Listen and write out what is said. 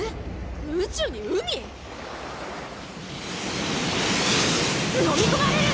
宇宙に海⁉のみ込まれる！